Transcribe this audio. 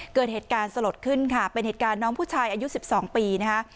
เกิดเหตุการณ์สลดขึ้นค่ะเป็นเหตุการณ์น้องผู้ชายอายุ๑๒ปีนะคะ